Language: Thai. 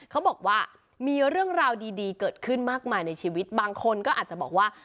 เขาบอกว่ามีเรื่องราวดีเกิดขึ้นมากมายในชีวิตบางคนก็อาจจะบอกว่า